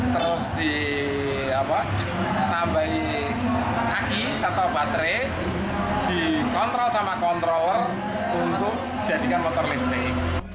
terus ditambahin aki atau baterai dikontrol sama kontroler untuk jadikan motor listrik